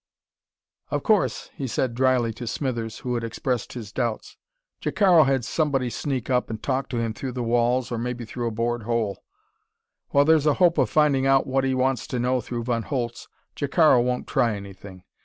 "Of course," he said drily to Smithers, who had expressed his doubts. "Jacaro had somebody sneak up and talk to him through the walls, or maybe through a bored hole. While there's a hope of finding out what he wants to know through Von Holtz, Jacaro won't try anything.